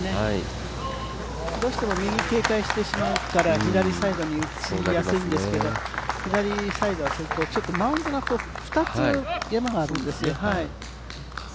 どうしても左、警戒してしまうから左サイドに打ちがちなんですけど左サイドはちょっとマウンドが２つ山があるんですよね。